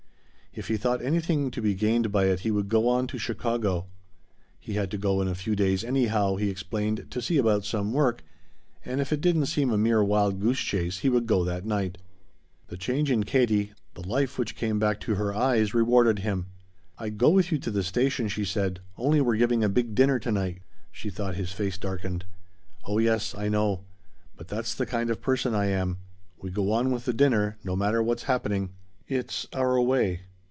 If he thought anything to be gained by it he would go on to Chicago. He had to go in a few days anyhow, he explained, to see about some work, and if it didn't seem a mere wild goose chase he would go that night. The change in Katie, the life which came back to her eyes, rewarded him. "I'd go with you to the station," she said, "only we're giving a big dinner to night." She thought his face darkened. "Oh yes, I know. But that's the kind of person I am. We go on with the dinner no matter what's happening. It's our way."